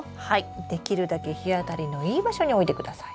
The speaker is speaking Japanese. できるだけ日当たりのいい場所に置いてください。